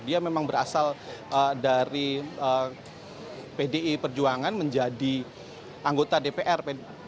dia memang berasal dari pdi perjuangan menjadi anggota dpr